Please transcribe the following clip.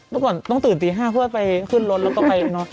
เมื่อก่อนต้องตื่นตี๕เพื่อไปขึ้นรถแล้วก็ไปน็อก